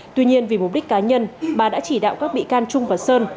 tuy nhiên vì mục đích cá nhân bà đã chỉ đạo các bị can trung và sơn